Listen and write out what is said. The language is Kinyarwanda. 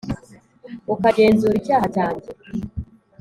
ukagenzura icyaha cyanjye,